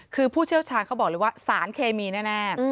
คือผู้เชี่ยวชาญเขาบอกเลยว่าสารเคมีแน่